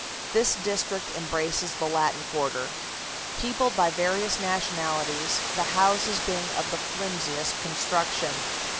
This district embraces the Latin quarter, peopled by various nationalities, the houses being of the flimsiest construction.